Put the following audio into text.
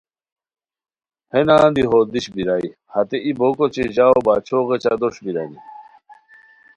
ہے نان دی ہو دیش بیرائے ہتے ای بوک اوچے ژاؤ باچھو غیچہ دوݰ بیرانی